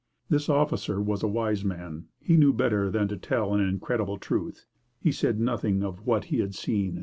This officer was a wise man; he knew better than to tell an incredible truth. He said nothing of what he had seen.